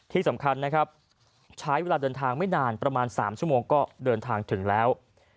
ที่สำคัญนะครับใช้เวลาเดินทางไม่นานประมาณ๓ชั่วโมงก็เดินทางถึงแล้ว